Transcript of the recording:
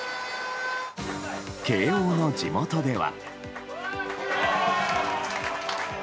慶應の地元では。